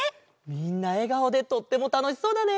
みんなえがおでとってもたのしそうだね。